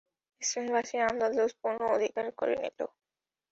স্পেনবাসীরা আন্দালুস পুনঃ অধিকার করে নিল।